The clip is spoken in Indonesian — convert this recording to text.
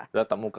sudah tetap muka